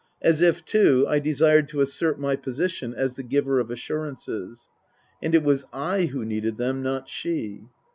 As if, too, I desired to assert my position as the giver of assurances. (And it was I who needed them, not she.)